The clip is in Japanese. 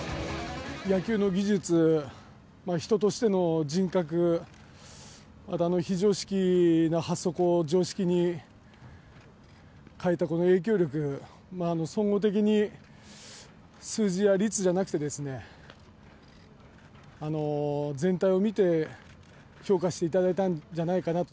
野球の技術、人としての人格、またあの非常識な発想を常識に変えたこの影響力、総合的に数字や率じゃなくて、全体を見て評価していただいたんじゃないかなと。